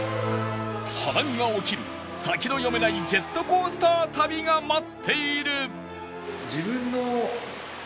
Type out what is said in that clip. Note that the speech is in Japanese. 波乱が起きる先の読めないジェットコースター旅が待っている！